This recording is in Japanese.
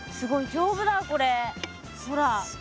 丈夫だこれほら。